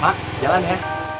mak jalan ya